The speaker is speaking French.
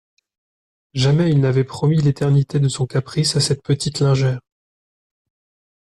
Jamais il n'avait promis l'éternité de son caprice à cette petite lingère.